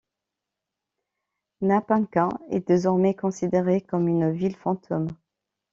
Napinka est désormais considérée comme une ville fantôme.